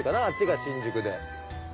あっちが新宿で。